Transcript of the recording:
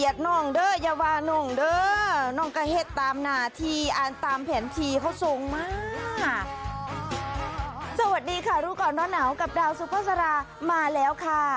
สวัสดีค่ะรู้ก่อนร้อนหนาวกับดาวสุภาษามาแล้วค่ะ